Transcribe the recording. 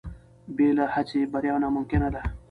بې له هڅې بریا ناممکنه ده.